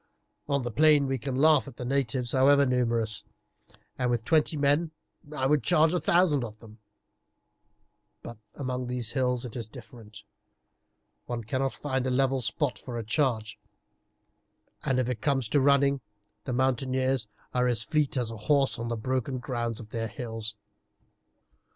On the plain we can laugh at the natives, however numerous, and with twenty men I would charge a thousand of them; but among these hills it is different, one cannot find a level spot for a charge, and, if it comes to running, the mountaineers are as fleet as a horse on the broken ground of their hills."